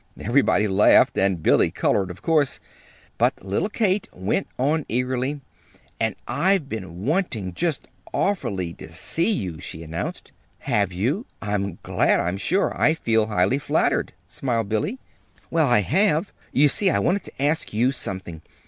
Everybody laughed, and Billy colored, of course; but little Kate went on eagerly: "And I've been wanting just awfully to see you," she announced. "Have you? I'm glad, I'm sure. I feel highly flattered," smiled Billy. "Well, I have. You see, I wanted to ask you something.